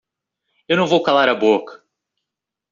Eu não vou calar a boca!